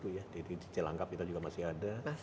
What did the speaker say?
jadi di celangkap kita juga masih ada